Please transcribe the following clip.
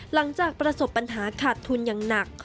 หลังจากประสบปัญหาขาดทุนอย่างหนัก